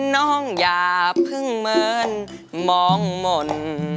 อย่าเพิ่งเมินมองหม่น